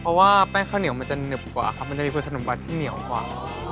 เพราะว่าแป้งข้าวเหนียวมันจะหนึบกว่าครับมันจะมีผสมบัดที่เหนียวกว่า